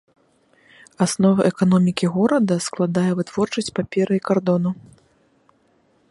Аснову эканомікі горада складае вытворчасць паперы і кардону.